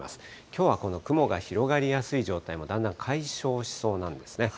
きょうはこの雲が広がりやすい状態もだんだん解消しそうなんですね。